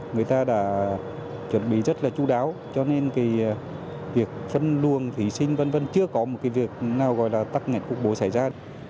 người ta đã chuẩn bị rất là chú đáo cho nên cái việc phân luồng thí sinh vân vân chưa có một cái việc nào gọi là tắc nghẹn cục bố xảy ra